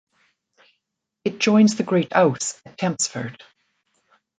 It joins the Great Ouse at Tempsford.